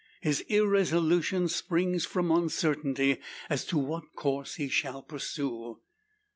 His irresolution springs from uncertainty as to what course he shall pursue.